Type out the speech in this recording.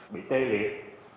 bị tê liệt